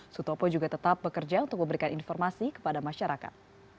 sutopo juga tetap bekerja untuk memberikan informasi kepada masyarakat